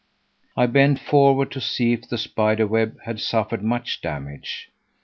I bent forward to see if the spider web had suffered much damage.